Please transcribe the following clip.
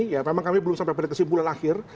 ya memang kami belum sampai pada kesimpulan akhir